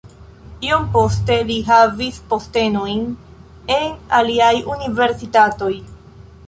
Iom poste li havis postenojn en aliaj universitatoj.